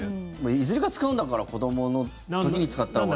いずれか使うんだから子どもの時に使ったほうがいい。